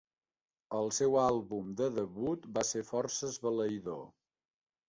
El seu àlbum de debut va ser força esbalaïdor.